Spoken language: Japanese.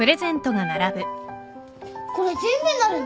これ全部なるの？